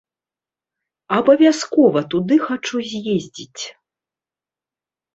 Абавязкова туды хачу з'ездзіць.